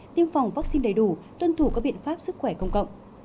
tiêm phòng vaccine đầy đủ tuân thủ các biện pháp sức khỏe công cộng